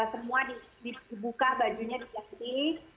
semua dibuka bajunya diganti